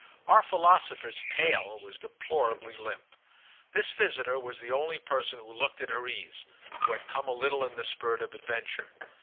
Our philosopher's "tail" was deplorably limp. This visitor was the only person who looked at her ease, who had come a little in the spirit of adventure.